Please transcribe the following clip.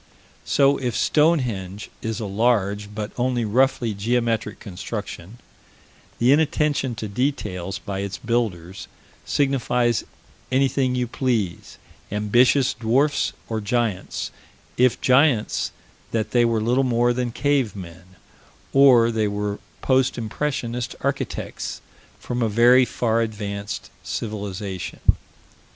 So, if Stonehenge is a large, but only roughly geometric construction, the inattention to details by its builders signifies anything you please ambitious dwarfs or giants if giants, that they were little more than cave men, or that they were post impressionist architects from a very far advanced civilization.